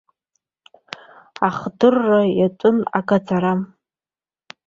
Ахдырра иатәын, агаӡара.